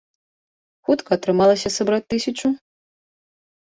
Хутка атрымалася сабраць тысячу?